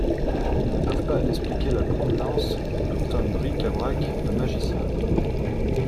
il ne veut pas expliquer la provenance, tout un bric-à-brac de magicien